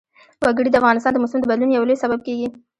وګړي د افغانستان د موسم د بدلون یو لوی سبب کېږي.